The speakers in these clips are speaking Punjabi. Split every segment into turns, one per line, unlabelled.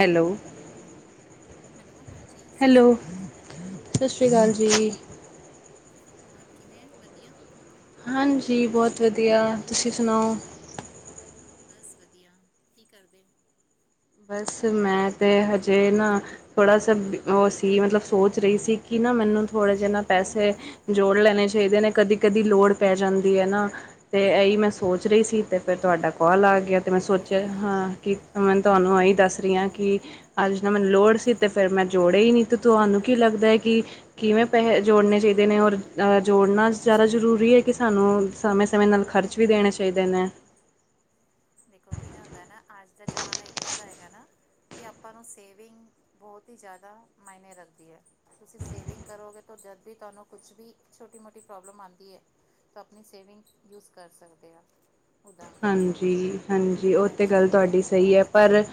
ਹੈਲੋ
ਹੈਲੋ-ਹੈਲੋ ਹਾਂਜੀ ਸਤਿ
ਹੈਲੋ
ਸ਼੍ਰੀ ਅਕਾਲ ਜੀ।
ਸਤਿ ਸ਼੍ਰੀ ਅਕਾਲ ਜੀ।
ਔਰ ਕਿਵੇਂ ਵਧੀਆ
ਹਾਂਜੀ ਬੋਤ ਵਧੀਆ ਤੁਸੀਂ ਸੁਣਾਓ।
ਬਸ ਵਧੀਆ ਕੀ ਕਰਦੇ।
ਬਸ ਮੈਂ ਤੇ ਹਜੇ ਨਾ। ਥੋੜ੍ਹਾ ਸ ਓ ਸੀ ਮਤਲਬ ਸੋਚ ਰਈ ਸੀ ਕਿ ਨਾ ਮੈਨੂੰ ਥੋੜ੍ਹੇ ਜਿਹੇ ਨਾ ਪੈਸੇ ਜੋੜ ਲੈਣੇ ਚਾਹੀਦੇ ਨੇ ਕਦੀ ਕਦੀ ਲੋੜ ਪੈ ਜਾਂਦੀ ਏ ਨਾ। ਤੇ ਇਹੀ ਮੈਂ ਸੋਚ ਰਈ ਸੀ ਤੇ ਫਿਰ ਤੁਹਾਡਾ ਕਾਲ ਆ ਗਿਆ ਤੇ ਮੈਂ ਸੋਚਿਆ ਹਾਂ ਕਿ ਤੁਹਾਨੂੰ ਇਹੀ ਦੱਸ ਰਈ ਆਂ ਕੀ ਅੱਜ ਜਿੱਦਾਂ ਮੈਨੂੰ ਲੋੜ ਸੀ ਤੇ ਫਿਰ ਮੈਂ ਜੋੜੇ ਈ ਨ ਤੇ ਤੁਹਾਨੂੰ ਕੀ ਲੱਗਦਾ ਹੈ ਕਿ ਕਿਵੇਂ ਪੈਸ ਜੋੜਨੇ ਚਾਹੀਦੇ ਨੇ ਔਰ ਅਹ ਜੋੜਨਾ ਜਾਦਾ ਜ਼ਰੂਰੀ ਹੈ ਕਿ ਸਾਨੂੰ ਸਮੇਂ-ਸਮੇਂ ਨਾਲ ਖਰਚ ਰਚ ਵੀ ਦੇਣੇ ਚਾਹੀਦੇ ਨੇ।
ਦੇਖੋ ਕਿਵੇਂ ਹੁੰਦਾ ਹੈ ਨਾ ਅੱਜ ਦਾ ਜ਼ਮਾਨਾ ਏਦਾਂ ਦਾ ਹੈਗਾ ਨਾ ਕਿ ਆਪਾਂ ਨੂੰ ਸੇਵਿੰਗ ਬੋਤ ਈ ਜਾਦਾ ਮਾਇਨੇ ਰੱਖਦੀ ਐ ਤੁਸੀਂ ਸੇਵਿੰਗ ਕਰੋਗੇ ਤਾਂ ਜਦ ਵੀ ਤੁਹਾਨੂੰ ਕੁਛ ਵੀ ਛੋਟੀ ਮੋਟੀ ਪ੍ਰੋਬਲਮ ਆਂਦੀ ਹੈ ਤਾਂ ਆਪਣੀ ਸੇਵਿੰਗ ਯੂਜ ਕਰ ਸਕਦੇ ਆ ਉਦਾਂ
ਹਾਂਜੀ-ਹਾਂਜੀ ਓ ਤਾ ਗੱਲ ਤੁਹਾਡੀ ਸਈ
ਤੋਂ
ਹੈ
ਦਿੱਕਤ
ਪਰ
ਨਹੀਂ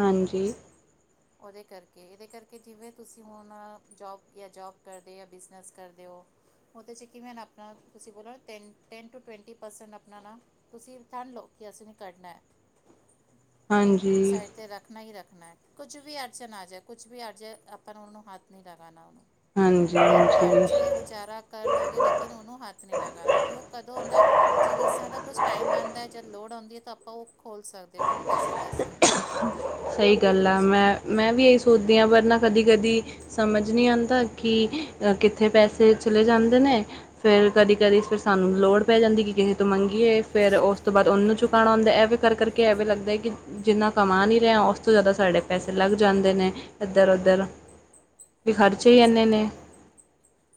ਹਾਂਜੀ।
ਉਹਦੇ ਕਰਕੇ ਇਹਦੇ ਕਰਕੇ ਜਿਵੇਂ ਤੁਸੀਂ ਹੁਣ ਜੋਬ ਜਾਂ ਜੋਬ ਕਰਦੇ ਹੋ ਜਾਂ ਬਿਜ਼ਨਸ ਕਰਦੇ ਹੋ। ਉਹਦੇ 'ਚ ਕਿਵੇਂ ਨਾ ਆਪਣਾ ਤੁਸੀਂ ਬੋਲੋ ten ten to twenty percent ਆਪਣਾ ਨਾ ਤੁਸੀਂ ਥਾਣ ਲਓ ਕਿ ਅਸੀਂ ਨੇ ਕੱਢਣਾ। ਓ
ਹਾਂਜੀ
ਸਾਈਡ ਤੇ ਰੱਖਣਾ ਈ ਰੱਖਣਾ। ਕੁਝ ਵੀ ਅੜਚਨ ਆ ਜਾਏ ਕੁਝ ਵੀ ਅੜਜ ਆਪਾਂ ਨੂੰ ਉਹਨੂੰ ਹੱਥ ਨ ਲਗਾਣਾ ਉਹਨੂੰ
ਹਾਂਜੀ
ਥੋੜਾ ਘੱਟ 'ਚ
ਹਾਂਜੀ
ਗੁਜ਼ਾਰਾ ਕਰ ਲਾਉਗੇ ਲੇਕਿਨ ਉਹਨੂੰ ਹੱਥ ਨੀ ਲਗਾਣਾ ਫਿਰ ਓ ਕਦੋਂ ਹੁੰਦਾ। ਜਦ ਇਸ੍ਹਾਂ ਦਾ ਕੁਛ ਟਾਈਮ ਆਂਦਾ ਜਦ ਲੋੜ ਆਉਂਦੀ ਹੈ ਤਾਂ ਆਪਾਂ ਉਹ ਖੋਲ੍ਹ ਸਕਦੇ ਉਹਨੂੰ ਪੈਸੇ ਲੈ ਸਕਦੇ ਹਾਂ।
ਸਈ ਗੱਲ
ਉਹਦੇ
ਆ
'ਚ
ਮੈਂ-ਮੈਂ ਵੀ ਇਹੀ ਸੋਚਦੀ ਹਾਂ ਵਰਨਾ ਕਦੀ-ਕਦੀ ਸਮਝ ਨਈ ਆਂਦਾ ਕਿ ਕਿੱਥੇ ਪੈਸੇ ਚਲੇ ਜਾਂਦੇ ਨੇ। ਫੇਰ ਕਦੀ-ਕਦੀ ਫਿਰ ਸਾਨੂੰ ਲੋੜ ਪੈ ਜਾਂਦੀ ਕਿ ਕਿਸੇ ਤੋਂ ਮੰਗ ਫਿਰ ਉਸ ਤੋਂ ਬਾਅਦ ਉਹਨੂੰ ਚੁਕਾਣਾ ਹੁੰਦਾ ਐਵੇਂ ਕਰਕੇ ਐਵੇਂ ਲੱਗਦਾ ਹੈ ਕਿ ਜਿੰਨਾ ਕਮਾ ਨਈ ਰਿਆ ਉਸ ਤੋਂ ਜ਼ਿਆਦਾ ਸਾਡੇ ਪੈਸੇ ਲੱਗ ਜਾਂਦੇ ਨੇ ਇੱਧਰ ਉੱਧਰ ਵੀ ਖਰਚੇ ਈ
ਨਹੀਂ
ਇਹਨੇ
ਸਹੀ
ਨੇ।
ਗੱਲ ਹੈ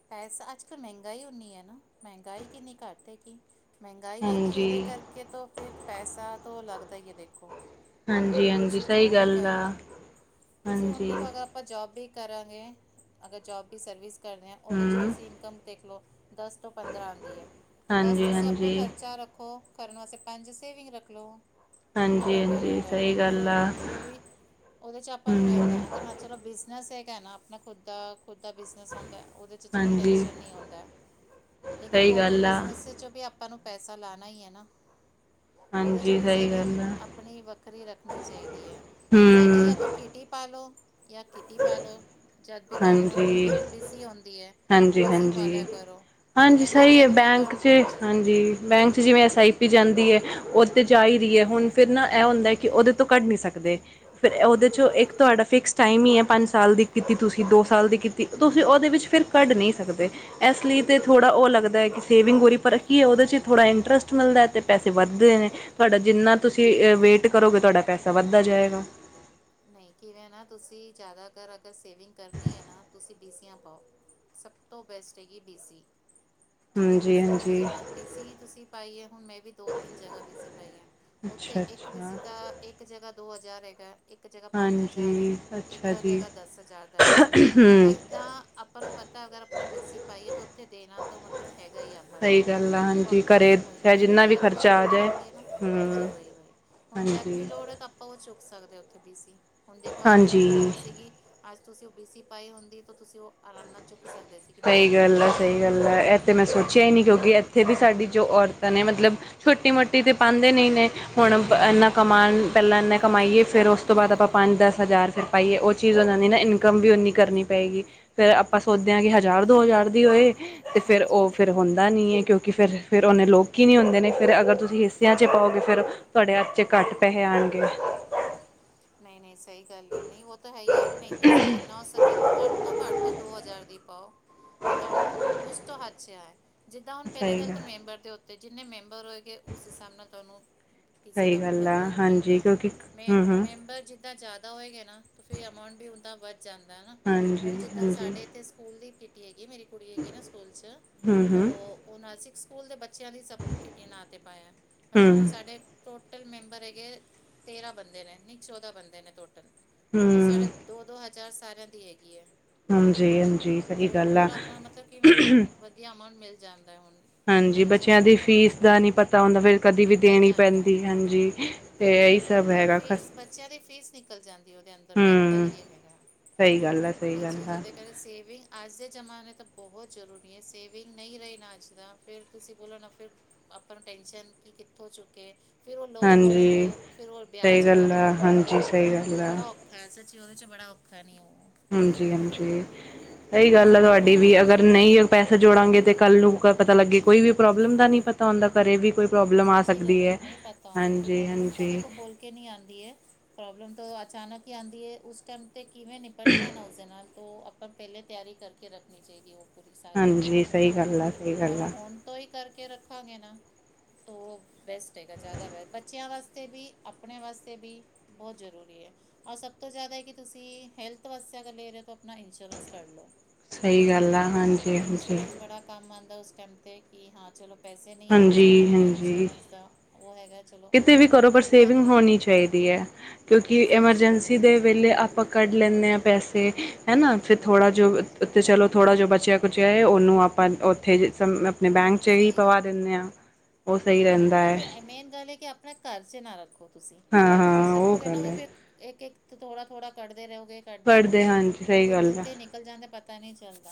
ਪੈਸਾ ਅੱਜ ਕੱਲ੍ਹ ਮਹਿੰਗਾਈ ਉਨੀ ਹੈ ਨਾ ਮਹਿੰਗਾਈ ਕਿੰਨੀ ਘੱਟ ਹੈ ਕਿ ਮਹਿੰਗਾਈ ਹੈਗੀ
ਹਾਂਜੀ
ਇਹਦੇ ਕਰਕੇ ਤਾਂ ਫਿਰ ਪੈਸਾ ਤੋ ਲੱਗਦਾ ਹੀ ਹੈ ਦੇਖੋ।
ਹਾਂਜੀ ਹਾਂਜੀ
ਤੁਸੀਂ
ਸਹੀ
ਜੋ ਵੀ
ਗੱਲ
ਕਰ
ਆ
ਲਓ ਤੁਸੀਂ ਹੁਣ
ਹਾਂਜੀ
ਦੇਖੋ ਅਗਰ ਆਪਾਂ ਜੋਬ ਵੀ ਕਰਾਂਗੇ ਅਗਰ ਜੋਬ ਵੀ ਸਰਵਿਸ ਕਰਦੇ ਹਾਂ ਉਹਦੇ 'ਚ
ਹੂੰ
ਤੁਸੀਂ ਇਨਕਮ ਦੇਖ ਲਓ। ਦਸ ਤੋਂ ਪੰਦਰਾਂ ਆਂਦੀ ਹੈ ਤਾਂ ਦਸ
ਹਾਂਜੀ
ਤੁਸੀਂ ਆਪਣੇ
ਹਾਂਜੀ
ਖਰਚਾ ਰੱਖੋ। ਕਰਨ ਵਾਸਤੇ ਪੰਜ ਸੇਵਿੰਗ ਰੱਖ ਲਓ
ਹਾਂਜੀ
ਇੱਦਾਂ ਕਰਿਆ
ਹਾਂਜੀ
ਕਰੋ।
ਸਹੀ ਗੱਲ ਆ
ਓ ਵੀ ਉਹਦੇ 'ਚ ਆਪਾਂ ਨੂੰ
ਹੂੰ
ਰੈਂਦਾ ਅਗਰ ਹਾਂ ਚਲੋ ਬਿਜਨਸ ਹੈਗਾ ਨਾ ਆਪਣਾ ਖੁਦ ਦਾ ਖੁਦ ਦਾ ਬਿਜਨਸ ਹੁੰਦਾ ਉਹਦੇ 'ਚ ਚਲੋ
ਹਾਂਜੀ
ਟੈਂਸ਼ਨ ਨਈ ਹੁੰਦਾ ਲੇਕਿਨ
ਸਹੀ
ਤੋ
ਗੱਲ ਆ
ਬਿਜਨੇਸ 'ਚ ਵੀ ਆਪਾਂ ਨੂੰ ਪੈਸਾ ਲਾਣਾ ਈ ਏ ਨਾ। ਉਹਦੇ 'ਚ
ਹਾਂਜੀ
ਵੀ
ਸਹੀ
ਸੇਵਿੰਗ
ਗੱਲ ਆ
ਆਪਣੀ ਵੱਖਰੀ ਰੱਖਣੀ ਚਾਹੀਦੀ ਹੈ ਕਿਸੇ
ਹੂੰ
ਕਿਆ ਤੋ ਕਿਟੀ ਪਾ ਲੋ ਯ ਕਿਟੀ ਪਾ ਲੋ। ਜਦ ਵੀ ਤੁਹਾਨੂੰ ਨ
ਹਾਂਜੀ
ਈਤਾਂ ਬੀਸੀ ਹੁੰਦੀ ਹੈ
ਹਾਂਜੀ
ਬੀਸੀ ਪਾ ਲਿਆ
ਹਾਂਜੀ
ਕਰੋ।
ਹਾਂਜੀ,
ਕਿਵੇਂ ਨਾ
ਸਹੀ ਏ
ਜਦ ਵੀ
ਬੈਂਕ
ਤੁਹਾਨੂੰ
ਚ ਹਾਂਜੀ। ਬੈਂਕ 'ਚ ਜਿਵੇਂ ਐੱਸ ਆਈ ਪੀ ਜਾਂਦੀ ਆ, ਹੈ ਉਹ 'ਤੇ ਜਾ ਹੀ ਰਹੀ ਹੈ, ਹੁਣ ਫਿਰ ਨਾ ਇਹ ਹੁੰਦਾ ਕਿ, ਉਹਦੇ ਤੋਂ ਕੱਢ ਨਹੀਂ ਸਕਦੇ। ਫਿਰ ਉਹਦੇ ਚੋਂ,
ਹਾਂ
ਇੱਕ
ਹਾਂ ਇਹ
ਤੁਹਾਡਾ
ਤਾਂ
ਫਿਕਸ ਟਾਈਮ ਹੀ ਹੈ ਪੰਜ ਸਾਲ ਦੀ ਕੀਤੀ ਤੁਸੀਂ ਦੋ ਸਾਲ ਦੀ ਕੀਤੀ, ਤੁਸੀਂ ਉਹਦੇ ਵਿੱਚ ਫਿਰ ਕੱਢ ਨਹੀਂ ਸਕਦੇ ਇਸ ਲਈ ਤਾਂ, ਥੋੜ੍ਹਾ
ਸਹੀ
ਉਹ
ਗੱਲ
ਲੱਗਦਾ ਹੈ ਕਿ, ਸੇਵਿੰਗ ਦੀ ਪਰ ਕੀ ਉਹਦੇ 'ਚ ਥੋੜ੍ਹਾ, ਇੰਟਰਸਟ ਮਿਲਦਾ ਅਤੇ ਪੈਸੇ ਵੱਧਦੇ ਨੇ, ਤੁਹਾਡਾ ਜਿੰਨਾ
ਉਹੀ
ਤੁਸੀਂ
ਉਹੀ
ਵੇਟ ਭਰੋਗੇ, ਤੁਹਾਡਾ ਪੈਸਾ ਵੱਧਦਾ ਜਾਵੇਗਾ।
ਨਹੀਂ ਕਿਵੇਂ ਨਾ ਤੁਸੀਂ, ਜ਼ਿਆਦਾਤਰ ਅਗਰ ਸੇਵਿੰਗ ਕਰਨੀ ਹੈ ਨਾ ਤੁਸੀਂ ਬੀਸੀਆਂ ਪਾਓ ਸਭ ਤੋਂ ਬੈਸਟ, ਹੈਗੀ ਬੀ ਸੀ। ਜਿੱਥੇ
ਹਾਂਜੀ
ਬੀਸੀ ਹੁੰਦੀ
ਹਾਂਜੀ
ਹੈ ਨਾ, ਬੀਸੀ ਤੁਸੀਂ ਪਾਈ ਏ ਹੁਣ ਮੈਂ ਵੀ ਦੋ- ਤਿੰਨ ਜਗ੍ਹਾ ਬੀਸੀ ਪਾਈਆ ਉੱਥੇ
ਅੱਛਾ
ਇੱਕ ਬੀ
ਅੱਛਾ
ਸੀ ਦਾ, ਇੱਕ ਜਗ੍ਹਾ ਦੋ ਹਜ਼ਾਰ ਹੈਗਾ। ਇੱਕ ਜਗ੍ਹਾ, ਪੰਜ ਹਜ਼ਾਰ
ਹਾਂਜੀ
ਹੈ, ਇੱਕ
ਅੱਛਾ ਜੀ
ਜਗ੍ਹਾ ਦਸ ਹਜ਼ਾਰ ਦਾ ਹੈਗਾ, ਹੁਣ ਤਾਂ
ਹਮ
ਇੱਦਾਂ ਆ ਆਪਾਂ ਨੂੰ ਪਤਾ ਅਗਰ ਆਪਣਾ ਬੀਸੀ ਪਾਈਏ ਤਾਂ, ਉੱਥੇ ਦੇਣਾ ਤਾਂ, ਮਤਲਬ ਹੈਗਾ ਹੀ ਆਪਾਂ ਨੂੰ
ਸਹੀ ਗੱਲ ਆ ਹਾਂਜੀ ਘਰੇ ਚਾਹੇ
ਹੁਣ
ਜਿੰਨਾ
ਜਦ ਵੀ
ਖ਼ਰਚਾ ਆ
ਲੋੜ
ਜਾਏ
ਆਉਂਦੀ ਹੈ ਨਾ ਹਾਂਜੀ
ਹਮ
ਵਹੀ- ਵਹੀ ਹੁਣ ਜਦ ਵੀ
ਹਾਂਜੀ
ਲੋੜ ਹੈ ਤਾਂ ਉਹ ਚੁੱਕ ਸਕਦੇ ਉੱਥੇ ਬੀ ਸੀ, ਹੁੰਣ ਦੇਖੋ ਅਜ, ਤੁਹਾਨੂੰ
ਹਾਂਜੀ
ਲੋੜ ਸੀਗੀ ਅੱਜ, ਤੁਸੀਂ ਉਹ ਬੀ ਸੀ ਪਾਈ ਹੁੰਦੀ ਤਾਂ, ਤੁਸੀਂ ਉਹ ਆਰਾਮ ਨਾਲ ਚੁੱਕ ਸਕਦੇ ਸੀ। ਕਿ ਮੈਨੂੰ
ਸਹੀ
ਲੋੜ
ਗੱਲ ਐ
ਹੈਗੀ ਹੈ
-ਸਹੀ ਗੱਲ ਐ। ਤੇ ਮੈਂ ਸੋਚਿਆ ਹੀ ਨਹੀਂ ਕਿਉਂਕਿ, ਇੱਥੇ ਵੀ ਸਾਡੀ ਜੋ ਔਰਤਾਂ ਨੇ ਮਤਲਬ ਛੋਟੀ ਮੋਟੀ ਕਿਟੀ ਤੇ ਪਾਉਂਦੇ ਨਹੀਂ ਨੇ, ਹੁਣ ਇੰਨਾ
ਹਾਂਜੀ
ਕਮਾਉਣ ਪਹਿਲਾਂ ਇਨਾ ਕਮਾਈਏ, ਫਿਰ ਉਸ ਤੋਂ ਬਾਅਦ ਆਪਾਂ, ਪੰਜ -ਦਸ ਹਜ਼ਾਰ ਫਿਰ ਪਾਈਏ ਉਹ ਚੀਜ਼ ਹੋ ਜਾਂਦੀ ਨਾ, ਇਨਕਮ ਵੀ ਓਨੀ ਕਰਨੀ ਪਏਗੀ, ਫੇਰ ਆਪਾਂ ਸੋਚਦੇ ਹਾਂ ਕਿ
ਨਹੀਂ,
ਹ
ਸਹੀ ਗੱਲ
ਦੋ
ਹੈ।
ਹਜਾਰ ਦੀ ਹੋਏ ਤੇ, ਫੇਿਰ
ਹਾਂਜੀ,
ਉਹ ਫਿਰ
ਵਹੀ।
ਹੁੰਦਾ ਨਈ ਹੈ ਕਿਉਂਕਿ, ਫਿਰ- ਫਿਰ ਉਹਨੇ ਲੋਕੀ ਨੀ ਹੁੰਦੇ ਜਨੇ ਫਿਰ ਅਗਰ ਤੁਸੀਂ ਹਿੱਸਿਆਂ ਚ ਪਾਓਗੇ, ਫਿਰ ਤੁਹਾਡੇ ਹਥ ਚ ਘੱਟ ਪੈਸੇ ਆਣਗੇ
ਨਹੀਂ- ਨਹੀਂ ਸਹੀ ਗੱਲ ਐ ਨਹੀਂ ਉਹ ਤਾਂ ਹੈ ਹੀ ਏ ਨਹੀਂ ਤੁਸੀਂ ਜਿੰਨਾ ਹੋ ਸਕੇ ਘੱਟ ਤੋਂ ਘੱਟ, ਦੋ ਹਜ਼ਾਰ ਦੀ ਪਾਓ ਕਿ, ਤੁਹਾਨੂੰ ਕੁਛ ਤੋਂ ਹੱਥ ਵਿੱਚ ਆਵੇ ਜਿੱਦਾਂ ਹੁਣ ਪਹਿਲੇ ਗੱਲ ਤੋਂ ਮੈਂਬਰ ਦੇ ਉੱਤੇ, ਜਿੰਨੇ ਮੈਂਬਰ ਹੋਏ ਗਏ, ਉਸ ਹਿਸਾਬ ਨਾਲ ਤੁਹਾਨੂੰ ਕਿਸੀ
ਸਹੀ
ਦਾ
ਗੱਲ
ਮਤਲਬ
ਆ
ਅਮਾਊਂਟ
ਹਾਂਜੀ
ਮਿਲਦਾ
ਕਿਉਂਕਿ ਹੂੰ
ਮੈਂ
ਹੂੰ
ਬਸ ਜਿੱਦਾਂ ਜ਼ਿਆਦਾ ਹੋਏਗਾ ਨਾ, ਫਿਰ ਅਮਾਊਂਟ ਵੀ ਉਦਾ ਵੱਧ ਜਾਂਦਾਾ,
ਹਾਂਜੀ
ਹੁਣ ਜਿੱਦਾਂ
ਹਾਂਜੀ
ਸਾਡੇ ਇੱਥੇ ਸਕੂਲ ਦੀ ਕਿਟੀ ਹੈਗੀ, ਮੇਰੀ ਕੁੜੀ ਹੈਗੀ ਨਾ, ਸਕੂਲ 'ਚ
ਹੂੰ
ਤੋ
ਹੂੰ
ਹੁਣ ਸਿਕਸ ਸਕੂਲ ਦੇ ਬੱਚਿਆਂ ਦੀ ਸਭ ਕਿਟੀ, ਨਾਂਮ 'ਤੇ ਪਾਇਆ ਮਤਲਬ ਹੁਣ
ਹੂੰ
ਸਾਡੇ ਟੋਟਲ ਮੈਂਬਰ ਹੈਗੇ, ਤੇਰਾਂ ਬੰਦੇ ਨੇ, ਨਹੀਂ ਚੌਦਾਂ ਬੰਦੇ ਨੇ, ਟੋਟਲ ਤੋਂ
ਹਮ,
ਸਾਡੇ ਦੋ -ਦੋ ਹਜ਼ਾਰ ਸਾਰਿਆਂ ਦੀ ਹੈਗੀ ਹੈ
ਹਾਂਜੀ ਹਾਂਜੀ ਸਹੀ ਗੱਲ ਆ
ਪੂਰਾ ਆਪਣਾ ਮਤਲਬ ਕਿਵੇਂ ਨਾ, ਵਧੀਆ ਅਮਾਊਂਟ ਮਿਲ ਜਾਂਦਾ ਹੈ ਹੁਣ
ਹਾਂਜੀ,
ਟੈਨਸ਼ਨ
ਬੱਚਿਆਂ
ਨਹੀਂ
ਦੀ
ਹੁੰਦਾ ਉਹਦੇ
ਫੀਸ
'ਚ
ਦਾ ਨੀ ਪਤਾ ਹੁੰਦਾ, ਫੇਰ ਕਦੇ ਵੀ,
ਨਿਕਲ
ਦੇਣੀ
ਜਾਂਦਾ ਹੈ
ਪੈਂਦੀ ਹਾਂਜੀ, ਤੇ ਏਹੀ
ਨਹੀਂ
ਸਭ
ਬ
ਹੈਗਾ ਖ
ਫੀਸ ਬੱਚਿਆਂ ਦੀ, ਫ਼ੀਸ ਨਿਕਲ ਜਾਂਦੀ ਉਹਦੇ ਅੰਦਰ, ਮੇਨ ਗਾਲ
ਹੂੰ
ਹੀ ਹੈਗਾ
ਸਹੀ ਗੱਲ ਆ-ਸਹੀ ਗੱਲ ਆ
ਜਿਹਦੇ ਕਰਕੇ ਸੇਵਿੰਗ, ਅੱਜ ਦੇ ਜ਼ਮਾਨੇ ਤਾਂ ਬਹੁਤ ਜ਼ਰੂਰੀ ਹੈ‌, ਸੇਵਿੰਗ ਨਹੀਂ ਰਹੇ ਨਾ ਅੱਜ ਦਾ ਫਿਰ, ਤੁਸੀਂ ਬੋਲੋ ਨਾ ਫਿਰ ਆਪਨ ਟੈਂਨਸ਼ਨ ਕਿੱਥੋਂ ਚੁੱਕੇ, ਫਿਰ ਉਹ ਲੋਨ
ਹਾਂਜੀ
ਚੁੱਕੋ, ਫਿਰ ਉਹ ਵਿਆਜ
ਸਹੀ
ਪਰ
ਗੱਲ ਆ
ਉਹ-
ਹਾਂਜੀ ਸਹੀ
ਉਹ
ਗੱਲ ਆ
ਬੜਾ ਔਖਾ ਸੱਚੀ, ਉਹਦੇ ਚ ਬੜਾ ਔਖਾ ਨਹੀਂ ਉਹ
ਹਾਂਜੀ-ਹਾਂਜੀ ਸਹੀ ਗੱਲ ਹੈ ਤੁਹਾ ਵੀ ਅਗਰ ਨਹੀਂ ਪੈਸਾ ਜੋੜਾਂਗੇ, ਤੇ ਕੱਲ੍ਹ ਨੂੰ ਪਤਾ ਲੱਗੇ ਕੋਈ ਵੀ, ਪ੍ਰੋਬਲਮ ਦਾ ਨੀ ਪਤਾ ਤਾਂ ਉਹਦਾ ਘਰੇ ਵੀ ਕੋਈ ਪ੍ਰੋਬਲਮ ਆ
ਸੱਚੀ ਗੱਲ
ਸਕਦੀ ਹੈ,
ਨਹੀਂ ਪਤਾ ਹੁੰਦਾ ਪ੍ਰੋਬਲਮ ਤਾਂ
ਹਾਂਜੀ-ਹਾਂਜੀ
ਦੇਖੋ ਬੋਲ ਕੇ ਨਹੀਂ ਆਉਂਦੀ ਹੈ, ਪ੍ਰੋਬਲਮ ਤਾਂ ਅਚਾਨਕ ਹੀ ਆਉਂਦੀ ਹੈ, ਉਸ ਟਾਈਮ 'ਤੇ ਕਿਵੇਂ ਨਿਪਟਣਾ, ਨਾ ਉਸਦੇ ਨਾਲ ਉਹ ਆਪਾਂ ਪਹਿਲੇ ਤਿਆਰੀ ਕਰਕੇ ਰੱਖਣੀ ਚਾਹੀਦੀ ਉਹ ਪੂਰੀ ਸਾਰੀਆਂ
ਹਾਂਜੀ ਸਹੀ ਗੱਲ ਆ ਸਹੀ
ਔਰ
ਗੱਲ ਆ
ਹੁਣ ਤੋਂ ਹੀ ਕਰਕੇ ਰੱਖਾਂਗੇ ਨਾ। ਉਹ ਬੈਸਟ ਹੈਗਾ ਜ਼ਿਆਦਾ ਬੈਸਟ ਬੱਚਿਆਂ ਵਾਸਤੇ ਵੀ ਆਪਣੇ ਵਾਸਤੇ ਵੀ। ਬਹੁਤ ਜ਼ਰੂਰੀ ਹੈ। ਔਰ ਸਭ ਤੋਂ ਜ਼ਿਆਦਾ ਹੈ ਕਿ ਤੁਸੀਂ ਹੈਲਥ ਵਾਸਤੇ ਅਗਲੇਰੇ ਤੋਂ ਆਪਣਾ ਇੰਸ਼ੋਰੈਂਸ ਕਰ ਲਓ।
ਸਹੀ ਗੱਲ ਆ ਹਾਂਜੀ ਹਾਂਜੀ
ਇੰਸ਼ੋਰੈਂਸ ਬੜਾ ਕੰਮ ਆਉਂਦਾ ਉਸ ਟਾਈਮ ਤੇ ਕਿ ਹਾਂ ਚਲੋ ਪੈਸੇ ਨਹੀਂ ਹਾਥ 'ਚ
ਹਾਂਜੀ
ਤਾਂ ਆਪਣਾ
ਹਾਂਜੀ
ਇੰਸ਼ੋਰੈਂਸ ਦਾ ਉਹ ਹੈਗਾ ਚਲੋ
ਕਿਤੇ ਵੀ ਕਰੋ ਪਰ
ਬਿਮਾਰੀ
ਸੇਵਿੰਗ
ਦੇਖੋ
ਹੋਣੀ ਚਾਹੀਦੀ ਹੈ, ਕਿਉਂਕਿ
ਸੱਚੀ ਗੱਲ
ਐਮਰਜੈਂਸੀ
ਹੋਣੀ
ਦੇ
ਚਾਹੀਦੀ
ਵੇਲੇ
ਹੈ
ਆਪਾਂ ਕੱਢ ਲੈਂਦੇ ਹਾਂ ਪੈਸੇ ਹੈ ਨਾ ਫਿਰ ਥੋੜ੍ਹਾ ਜੋ
ਹਮ
ਅਤੇ ਚਲੋ ਥੋੜ੍ਹਾ ਜੋ ਬਚਿਆ। ਔ ਚਾਹੇ ਉਹਨੂੰ ਆਪਾਂ ਉੱਥੇ ਆਪਣੇ ਬੈਂਕ ਚ ਹੀ
ਸਹੀ
ਪਵਾ
ਗੱਲ ਹੈ।
ਦਿੰਦੇ ਹਾਂ। ਉਹ ਸਹੀ
ਹਾਂ ਨੀ,
ਰਹਿੰਦਾ
ਇੱਕ
ਹੈ
ਮੇਨ ਗੱਲ ਹੈ ਕਿ ਆਪਣਾ ਘਰ ਚ ਨਾ ਰੱਖੋ ਤੁਸੀਂ, ਘਰ ਦੇ
ਹਾਂ-ਹਾਂ
ਵਿੱਚ ਰੱਖੋਗੇ ਨਾ
ਗੱਲ
ਉਹ
ਹੈ
ਫਿਰ ਇੱਕ, ਇੱਕ ਥੋੜ੍ਹਾ, ਥੋੜ੍ਹਾ ਕੱਢਦੇ ਰਹੋਗੇ ਕੱਢਦੇ
ਪੜ੍ਹਦੇ
ਰਹੋਗੇ
ਹਾਂਜੀ
ਉਹ
ਸਹੀ
ਫਿਰ
ਗੱਲ ਹੈ
ਕਿੱਥੇ ਨਿਕਲ ਜਾਂਦੇ ਪਤਾ ਨਹੀਂ ਚੱਲਦਾ।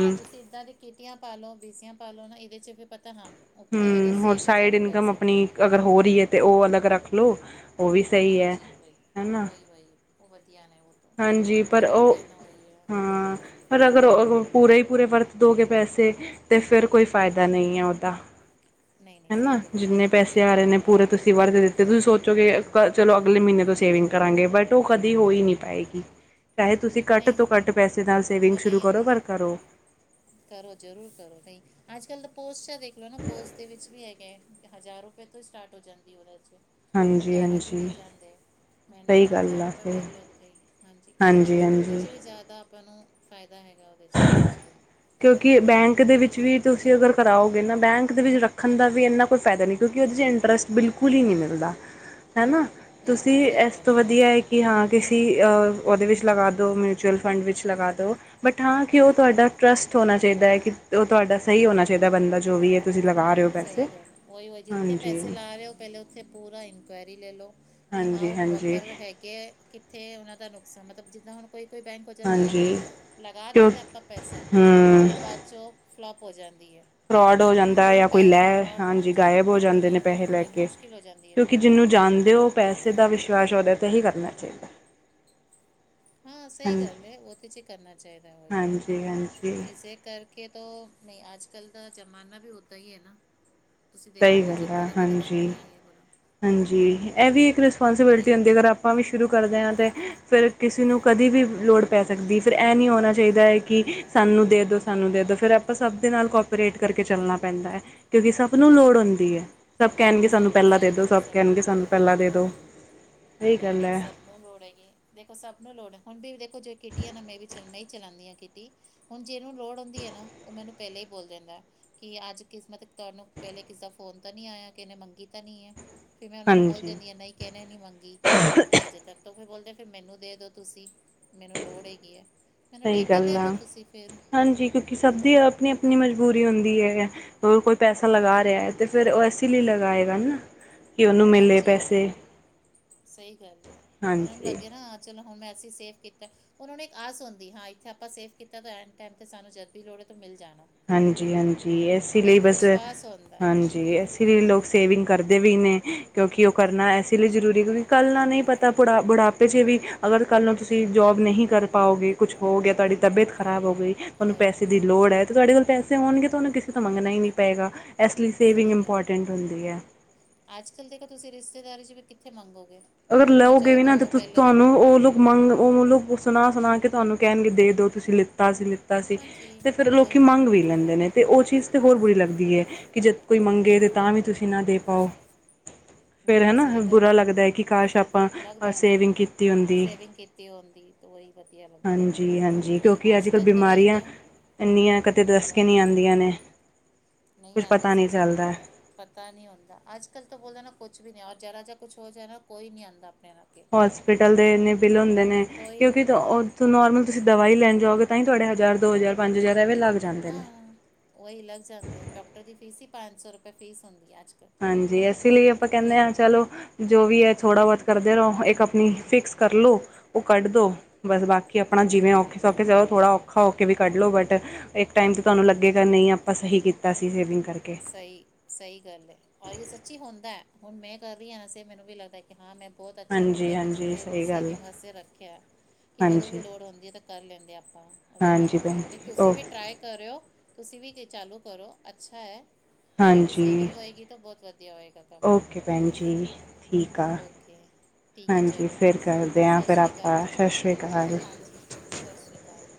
ਹਾਂ ਤੁਸੀਂ ਪਦਾਂ ਦੇ ਕਿਟੀਆਂ ਪਾਲੋ ਬੀਸੀਆਂ ਪਾਲੋ ਇਹਦੇ ਚ ਵੀ ਪਤਾ ਹਾਂ ਉੱਥੇ ਹੈਗੇ
ਹੂੰ ਹੋਰ
ਸੇਫ ਹੈ
ਸਾਈਡ
ਸਾਡੇ
ਇਨਕਮ
ਪੈਸੇ
ਆਪਣੀ ਅਗਰ ਹੋ ਰਹੀ ਹੈ ਤਾਂ ਉਹ ਅਲੱਗ ਰੱਖ ਲਓ। ਉਹ ਵੀ ਸਹੀ ਹੈ
ਹਾਂਜੀ ਵਹੀ
ਹਨਾ
ਉਹੀ ਵਹੀ ਵਧੀਆ ਨੇ ਉਹ
ਹਾਂਜੀ ਪਰ ਉਹ ਹਾਂ ਪਰ ਅਗਰ ਪੂਰੇ ਹੀ ਪੂਰੇ ਵਰਤ ਦੋਗੇ ਪੈਸੇ ਤੇ ਫਿਰ ਕੋਈ ਫਾਇਦਾ ਨਹੀਂ ਹੈ ਉਹਦਾ ਹਨਾ ਜਿੰਨੇ ਪੈਸੇ ਆ ਰਹੇ ਨੇ ਪੂਰੇ ਤੁਸੀਂ ਵਰਤ ਦਿੱ ਤੇ ਤੁਸੀਂ ਸੋਚੋ ਕਿ ਚਲੋ ਅਗਲੇ ਮਹੀਨੇ ਤੋਂ ਸੇਵਿੰਗ ਕਰਾਂਗੇ, ਬਟ ਉਹ ਕਦੀ ਹੋ ਹੀ ਨਹੀਂ ਪਾਏਗੀ। ਚਾਹੇ ਤੁਸੀਂ ਘੱਟ ਤੋਂ ਘੱਟ ਪੈਸੇ ਨਾਲ
ਉਹ
ਸੇਵਿੰਗ
ਤਾਂ
ਸ਼ੁਰੂ
ਨਹੀਂ
ਕਰੋ ਪਰ
ਆਉਂਦੀ
ਕਰੋ।
ਕਰੋ ਜ਼ਰੂਰ ਕਰੋ ਬਈ ਅੱਜ ਕੱਲ ਤਾਂ ਪੋਸਟ ਚ ਦੇਖ ਲੋ ਨਾ ਪੋਸਟ ਦੇ ਵਿੱਚ ਵੀ ਹੈਗੇ, ਹਜ਼ਾਰ ਰੁਪਏ ਤੋਂ ਹੀ ਸਟਾਰਟ ਹੋ ਜਾਂਦੀ ਉਹਦੇ ਚ ਉਹ ਤਾਂ ਘਰ ਆ ਕੇ ਲੈ
ਹਾਂਜੀ-ਹਾਂਜੀ
ਜਾਂਦੇ ਆ। ਮਹੀਨੇ
ਸਹੀ
ਦਾ
ਗੱਲ
ਹਜ਼ਾਰ
ਆ
ਰੁਪਏ
ਸਹੀ
ਭਰਲੋ ਉੱਥੇ ਹਾਂਜੀ ਉਹਦੇ ਵੀ ਉਹਦੇ ਚ ਵੀ ਜ਼ਿਆਦਾ ਆਪਾਂ ਨੂੰ ਫ਼ਾਇਦਾ ਹੈਗਾ, ਉਹਦੇ ਚ ਵੀ ਅੱਜ ਕੱਲ੍ਹ
ਕਿਉਂਕਿ ਬੈਂਕ ਦੇ ਵਿੱਚ ਵੀ ਤੁਸੀਂ ਅਗਰ ਕਰਾਓਗੇ ਨਾ, ਬੈਂਕ ਦੇ ਵਿੱਚ ਰੱਖਣ ਦਾ ਵੀ ਇੰਨਾ ਕੋਈ ਫਾਇਦਾ ਨਹੀਂ ਕਿਉਂਕਿ ਉਹਦੇ 'ਚ ਇੰਟਰਸਟ ਬਿਲਕੁਲ ਹੀ ਨਹੀਂ ਮਿਲਦਾ ਹਨਾ,
ਨਹੀਂ
ਤੁਸੀਂ
ਨਹੀਂ ਸਹੀ
ਇਸ ਤੋਂ
ਗੱਲ ਹੈ
ਵਧੀਆ ਕਿ ਹਾਂ ਕਿਸੀ ਉਹਦੇ ਵਿੱਚ ਲਗਾ ਦਿਉ ਮਿਊਚੁਅਲ ਫੰਡ ਵਿੱਚ ਲਗਾ ਦਿਉ ਬਟ ਹਾਂ ਕਿ ਉਹ ਤੁਹਾਡਾ ਟਰੱਸਟ ਹੋਣਾ ਚਾਹੀਦਾ ਹੈ, ਕਿ ਉਹ ਤੁਹਾਡਾ ਸਹੀ ਹੋਣਾ ਚਾਹੀਦਾ ਬੰਦਾ ਜੋ ਵੀ ਹੈ। ਤੁਸੀਂ ਲਗਾ ਰਹੇ ਹੋ
ਸਹੀ
ਪੈਸੇ
ਗੱਲ ਹੈ, ਉਹੀ ਵਹੀ ਜਿੱਥੇ
ਹਾਂਜੀ
ਪੈਸੇ ਲਾ ਰਹੇ ਹੋ ਪਹਿਲੇ ਉੱਥੇ ਪੂਰਾ ਇਨਕੁਆਇਰੀ ਲੈ ਲਓ। ਕਿ ਹਾਂ
ਹਾਂਜੀ
ਉਹ
ਹਾਂਜੀ
ਪ੍ਰੋਪਰ ਹੈਗੇ ਹੈ, ਕਿੱਥੇ ਉਹਨਾਂ ਦਾ ਨੁਕਸਾਨ ਮਤਲਬ ਜਿੱਦਾਂ ਹੁਣ ਕੋਈ, ਕੋਈ ਬੈਂਕ ਹੋ ਜਾਂਦੀ ਹੈ
ਹਾਂਜੀ
ਲਗਾ
ਕਿਉਂ
ਦਿੰਦੇ ਹਾਂ ਆਪਾਂ ਪੈਸਾ ਬਟ
ਹੂੰ
ਉਹ ਬਾਅਦ ਚੋ ਫਲੋਪ ਹੋ ਜਾਂਦੀ ਹੈ।
ਫਰੋਡ ਹੋ ਜਾਂਦਾ
ਫਿਰ ਉਹ
ਜਾਂ ਕੋਈ
ਪੈਸੇ
ਲੈ
ਫਰੋਡ
ਹਾਂਜੀ ਗਾਇਬ ਹੋ
ਫਰੋਡ
ਜਾਂਦੇ ਨੇ
ਜਾਂਦਾ
ਪੈਸੇ
ਹੈ
ਲੈ
ਫਿਰ
ਕੇ
ਮੁਸ਼ਕਿਲ ਹੋ ਜਾਂਦੀ ਹੈ
ਕਿਉਂਕਿ
ਫਿਰ
ਜਿਹਨੂੰ ਜਾਂਣਦੇ ਹੋ ਪੈਸੇ ਦਾ ਵਿਸ਼ਵਾਸ ਉਹਦੇ ਤੇ ਹੀ ਕਰਨਾ ਚਾਹੀਦਾ।
ਹਾਂ ਸਹੀ
ਹਾਂਜੀ
ਗੱਲ ਹੈ, ਉਹ ਤਾਂ ਚੇ ਕਰਨਾ ਚਾਹੀਦਾ ਵਹੀ
ਹਾਂਜੀ ਹਾਂਜੀ
ਇਸੇ ਕਰ ਕਿ ਤੋ ਨਹੀਂ ਆਜ ਕੱਲ ਦਾ ਜ਼ਮਾਨਾ ਵੀ ਹੈ ਨਾ। ਤੁਸੀਂ
ਸਹੀ
ਦੇਖੋ ਨਾ
ਗੱਲ ਆ
ਜ਼ਮਾਨਾ ਵੀ ਤਾਂ
ਹਾਂਜੀ,
ਵਧੀਆ ਹੀ ਹੈ ਪੂਰਾ
ਹਾਂਜੀ ਇਹ ਵੀ ਇੱਕ
ਨਹੀਂ
ਰਿਸਪੋਂਸੀਬਿਲਿਟੀ ਹੁੰਦੀ ਅਗਰ ਆ ਆਪਾਂ ਵੀ ਸ਼ੁਰੂ ਕਰਦੇ ਹਾਂ, ਅਤੇ ਫਿਰ ਕਿਸੇ ਨੂੰ ਕਦੇ ਵੀ ਲੋੜ ਪੈ ਸਕਦੀ ਫਿਰ, ਇਹ ਨਹੀਂ ਹੋਣਾ ਚਾਹੀਦਾ ਹੈ। ਕਿ ਸਾਨੂੰ ਦੇ ਦਿਉ ਸਾਨੂੰ ਦੇ ਦਿਉ ਫਿਰ ਆਪਾਂ ਸਭ ਦੇ ਨਾਲ ਕੋਪਰੇਟ ਕਰਕੇ ਚੱਲਣਾ ਪੈਂਦਾ ਹੈ। ਕਿਉਂਕਿ ਸਭ ਸਭ ਨੂੰ ਲੋੜ ਹੁੰਦੀ ਹੈ। ਸਭ ਕਹਿਣਗੇ ਸਾਨੂੰ
ਸਭ ਨੂੰ
ਪਹਿਲਾਂ ਦੇ
ਸਹੀ
ਦੇਦੋ,
ਗੱਲ ਹੈ
ਸਭ
ਨੂੰ
ਕਹਿਣਗੇ
ਲੋੜ
ਸਾਨੂੰ
ਹੈ
ਪਹਿਲਾਂ ਦੇ ਦੇਦੋ, ਇਹੀ ਗੱਲ ਹੈ।
ਨ ਰੋੜਗੇ ਦੇਖੋ ਸਭ ਨੂੰ ਲੋੜ ਹੈ। ਹੁਣ ਵੀ ਦੇਖੋ ਜ ਕਿਟੀ ਆ ਨਾ ਮੈਂ ਵੀ ਚ ਮੈਂ ਹੀ ਚਲਾਉਂਦੀ ਹਾਂ ਕਿਟੀ, ਹੁਣ ਜਿਹਨੂੰ ਲੋੜ ਹੁੰਦੀ ਹੈ ਨਾ ਉਹ ਮੈਨੂੰ ਪੈਲਾਂ ਹੀ ਬੋਲ ਦਿੰਦਾ, ਕਿ ਅੱਜ ਕਿਸਮਤ ਤੁਹਾਨੂੰ ਪੈਲੇ ਕਿਸੇ ਦਾ ਫੋਨ ਤਾਂ ਨਹੀਂ ਆਇਆ। ਕਿਨ ਨੇ ਮੰਗੀ ਤਾਂ ਨਹੀਂ ਹੈ। ਫਿਰ ਮੈਂ ਉਹਨਾਂ ਨੂੰ ਬੋਲ
ਹਾਂਜੀ
ਦਿੰਦੀ ਹਾਂ ਨਹੀਂ ਕਿਹਨੇ ਨਹੀਂ ਮੰਗੀ ਕੀਤੀ ਅਜੇ ਤੱਕ ਤ ਫਿਰ ਬੋਲਦੇ ਫਿਰ ਮੈਨੂੰ ਦੇ ਦੋ ਤੁਸੀਂ ਮੈਨੂੰ ਲੋੜ ਹੈਗੀ ਹੈ। ਮੈਂ ਨਾ
ਸਹੀ
ਠੀਕ ਹੈ।
ਗੱਲ
ਲੈ
ਆ
ਲਓ ਤੁਸੀਂ ਫਿਰ
ਨੀ ਮਜਬੂਰੀ ਹੁੰਦੀ ਹੈ ਹੋਰ ਕੋਈ ਪੈਸਾ
ਉਹੀ
ਲਗਾ ਰੇਹਾ ਹੈ। ਅਤੇ ਫਿਰ ਉਹ ਇਸੇ ਲਈ ਲਗਾਏਗਾ ਨਾ ਕਿ ਉਹਨੂੰ ਮਿਲੇ
ਹਾਂਜੀ
ਪੈਸੇ
ਉਹੀ ਸਹੀ ਗੱਲ ਹੈ ਉਹਨਾਂ ਨੂੰ
ਹਾਂਜੀ
ਲੱਗੇਆ ਨਾ ਚਲੋ ਹੁਣ ਮੈਂਸੀ ਸੇਫ ਕੀਤਾ ਉਹਨਾਂ ਨੂੰ ਇੱਕ ਆਸ ਹੁੰਦੀ ਹਾਂ ਇੱਥੇ ਆਪਾਂ ਸੇਵ ਕੀਤਾ ਤਾਂ ਐਨ ਟੈਮ ਤੇ ਸਾਨੂੰ ਜਦ ਵੀ ਲੋੜ ਹੈ ਤੋਂ ਮਿਲ ਜਾਣਾ।
ਹਾਂਜੀ-ਹਾਂਜੀ ਇਸ ਲਈ
ਇੱਕ
ਬਸ
ਵਿਸ਼ਵਾਸ ਹੁੰਦਾ
ਹਾਂਜੀ ਇਸ ਲੋਕ ਸੇਵਿੰਗ ਕਰਦੇ ਵੀ ਨੇ ਕਿਉਂਕਿ ਉਹ ਕਰਨਾ ਐਸੀ
ਕਰਦੇ
ਲਈ
ਨੇ
ਜ਼ਰੂਰੀ ਹੋਏ ਕੱਲ ਨਾਲ ਨਹੀਂ ਪਤਾ ਬੁੜਾਪੇ ਚ ਵੀ ਅਗਰ ਕੱਲ ਨੂੰ ਤੁਸੀ ਜੋਬ ਨਹੀਂ ਕਰ ਪਾਓਗੇ ਕੁਝ ਹੋ ਗਿਆ ਤੁਆਡੀ ਤਬੀਅਤ ਖਰਾਬ ਹੋ ਗਈ ਤੁਹਾਨੂੰ
ਉਹੀ
ਪੈਸੇ ਦੀ ਲੋੜ ਹ ਤੇ ਸਾਡੇ ਕੋਲ ਪੈਸੇ ਹੋਣਗੇ ਤੁਹਾਨੂੰ ਕਿਸੇ ਤੋਂ ਮੰਗਣਾ ਹੀ ਨਹੀਂ ਪਏਗਾ ਇਸ ਲਈ ਸੇਵਿੰਗ ਇਮਪੋਰਟੈਂਟ ਹੁੰਦੀ ਐ
ਅੱਜਕਲ ਜੇਕਰ ਤੁਸੀਂ ਰਿਸ਼ਤੇਦਾਰੀ ਚ ਵੀ ਕਿੱਥੇ ਮੰਗੋਗੇ
ਅਗਰ
ਮੰਗਣਾ
ਲਓਗੇ
ਚਾਹੋ
ਵੀ ਨਾ ਤੇ
ਤਾਂ ਪਹਿਲੇ ਤੋਂ
ਤੁਹਾਨੂੰ ਉਹ ਮੰਗ ਓ ਲੋਕ ਸੁਣਾ ਸੁਣਾ ਕੇ ਤੁਹਾਨੂੰ ਕੈਣਗੇ ਦੇ ਦੋ ਤੁਸੀਂ ਲਿਤਾ ਅਸੀਂ ਲਿ ਸੀ
ਹਾਂਜੀ
ਤੇ ਫਿਰ ਲੋਕੀ
ਉਹੀ
ਮੰਗ ਵੀ ਲੈਦੇ ਨੇ ਤੇ ਉਹ ਚੀਜ਼ ਤੇ ਹੋਰ ਬੜੀ
ਸਹੀ ਗੱਲ
ਲੱਗਦੀ ਹ
ਹੈ
ਕਿ ਜ ਦ ਕੋਈ ਮੰਗੇ ਤੇ ਤਾਂ ਵੀ ਤੁਸੀਂ ਨਾ ਦੇ ਪਾਓ ਫੇਰ
ਨਹੀਂ
ਹੈ
ਨਹੀਂ
ਨਾ
ਸਹੀ ਗੱਲ
ਬੁਰਾ
ਹੈ
ਲੱਗਦਾ ਕਿ ਕਾਸ਼ ਆਪਾਂ
ਲੱਗਦਾ ਹੈ ਨਾ
ਸੇਵਿੰਗ ਕੀਤੀ ਹੁੰਦੀ
ਸੇਵਿੰਗ ਕੀਤੀ ਹੁੰਦੀ ਤਾਂ ਉਹੀ ਵਧੀਆ ਲੱਗਦਾ ਹੈ ਨਹੀਂ ਅੱਜ
ਅੱਜਕਲ
ਕੱਲ੍ਹ ਤਾਂ ਯਹੀ
ਬਿਮਾਰੀ ਆ
ਕਿਆ
ਇੰਨੀਆਂ ਕਤੇ ਦਸ ਕੇ
ਬਹੁਤ ਹੈ
ਨਹੀਂ ਆਦੀਆਂ ਨੇ
ਨਹੀਂ
ਕੁਛ
ਆਂਦੀ
ਪਤਾ
ਸੱਚੀ
ਚੱਲਦਾ
ਗੱਲ ਹੈ ਪਤਾ ਨਹੀਂ ਹੁੰਦਾ ਅੱਜ ਕੱਲ ਤਾਂ ਬੋਲਦਾ ਨਾ ਕੁਝ ਵੀ ਨਹੀਂ ਉਹ ਜਰਾ ਜਿਹਾ ਕੁਛ ਹੋ ਜੇ ਨਾ ਕੋਈ ਨਹੀਂ ਆਂਦਾ ਆਪਣੇ ਵਰਗੇ
ਹੋਸਪਿਟਲ ਦੇ ਇ ਨੇ ਬਿਲ ਹੁੰਦੇ ਨੇ
ਕੋਈ
ਕਿਉਂਕਿ ਤਾਂ ਤੁਸੀਂ ਨੋਰਮਲ ਤੁਸੀ ਦਵਾਈ ਲੈਣ ਜਾਓਗੇ ਤਾਂ ਹੀ ਤੁਹਾਡੇ ਹਜ਼ਾਰ ਦੋ ਹਜਾਰ ਪੰਜ ਹਜਾਰ ਐਵੇਂ ਲਾ ਦੇ
ਹਾਂ ਉਹੀ ਲੱਗ ਜਾਂਦੇ ਡਾਕਟਰ ਦੀ ਫੀਸ ਹੀ ਪੰਜ ਸੋ ਰੁਪੇ ਫੀਸ ਹੁੰਦੀ ਹ ਅੱਜ ਕੱਲ
ਹਾਂਜੀ ਇਸ ਲਈ ਆਪਾਂ ਕੈਂਦੇ
ਫਿਰ
ਆ ਚਲੋ ਜੋ ਵੀ ਹੈ ਥੋੜ੍ਹਾ ਬੋਤ ਕਰਦੇ ਰਹੋ ਇੱਕ ਆਪਣੀ ਫਿਕਸ ਕਰ ਲੋ ਉਹ ਕੱਢ ਦੋ ਬਸ ਬਾਕੀ ਆਪਣਾ ਜਿਵੇਂ
ਉਹੀ ਉਹੀ
ਔਖੇ ਸੌਖੇ ਚ ਥੋੜ੍ਹਾ ਔਖਾ ਹੋਕੇ ਵੀ ਕੱਢ ਲਉ ਬਟ ਇੱਕ ਟਾਈਮ ਤਾਂ ਤੁਹਾਨੂੰ ਲੱਗੇਗਾ ਨਹੀਂ ਆਪਾਂ ਸਹੀ ਕੀਤਾ ਸੀ ਸੇਵਿੰਗ ਕਰਕੇ
ਸਹੀ ਸਹੀ ਗੱਲ ਹੈ ਔਰ ਇਹ ਸੱਚੀ ਹੁੰਦਾ ਹੈ ਹੁਣ ਮੈਂ ਕਰ ਰਹੀ ਹਾਂ ਨਾਸੇ ਮੈਨੂੰ ਵੀ ਲੱਗਦਾ ਕਿ ਹਾਂ ਮੈਂ ਬੋਤ ਅੱਛਾ
ਹਾਂਜੀ
ਕੀਤਾ ਕਿ
ਹਾਂਜੀ
ਜਿੱਥੇ
ਸਹੀ ਗੱਲ ਹੈ
ਸੇਵਿੰਗ ਵਾਸਤੇ ਰੱਖਿਆ ਕਿ ਕਦੋਂ ਵੀ
ਹਾਂਜੀ
ਲੋੜ ਹੁੰਦੀ ਹੈ ਤਾਂ ਕਰ ਲੈਂਦੇ ਆਪਾਂ ਉਹਦੇ
ਹਾਂਜੀ
ਕਰਕੇ
ਭੈਣ
ਨਹੀਂ
ਜੀ
ਤੁਸੀਂ ਵੀ
ਓਕੇ
ਟਰਾਈ ਕਰੇਓ ਤੁਸੀਂ ਵੀ ਕਿ ਚਾਲੂ ਕਰੋ ਅੱਛਾ ਹੈ ਤੁਹਾਡੀ
ਹਾਂਜੀ
ਸੇਵਿੰਗ ਹੋਏਗੀ ਤਾਂ ਬਹੁਤ ਵਧੀਆ ਹੋਏਗਾ ਕੰਮ
ਓਕੇ ਭੈਣ ਜੀ ਠੀਕ ਆ
ਓਕੇ ਠੀਕ ਹੈ
ਹਾਂਜੀ
ਚਲੋ
ਫਿਰ
ਓਕੇ
ਕਰਦੇ ਹਾਂ
ਸਤਿ
ਫਿਰ
ਸ਼੍ਰੀ ਅਕਾਲ
ਆਪਾਂ
ਜੀ
ਸਤਿ ਸ਼੍ਰੀ ਅਕਾਲ
ਹਾਂਜੀ ਸਤਿ ਸ਼੍ਰੀ ਅਕਾਲ